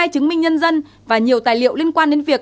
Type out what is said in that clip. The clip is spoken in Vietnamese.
bốn mươi hai chứng minh nhân dân và nhiều tài liệu liên quan đến việc